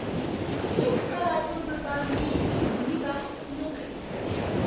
هېڅکله څوک ورباندې علمي بحث نه کړي